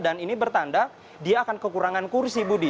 dan ini bertanda dia akan kekurangan kursi budi